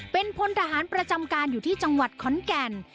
เป็นพลทหารประจำการอยู่ที่จังหวัดขอนแก่น